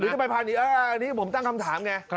จะไปพาหนีอันนี้ผมตั้งคำถามไง